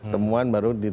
temuan baru ditemukan